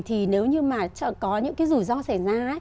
thì nếu như mà có những cái rủi ro xảy ra